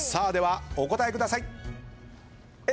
ではお答えください。